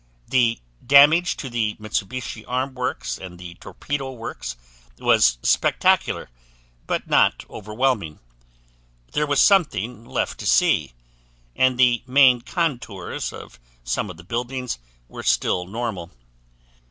The damage to the Mitsubishi Arms Works and the Torpedo Works was spectacular, but not overwhelming. There was something left to see, and the main contours of some of the buildings were still normal.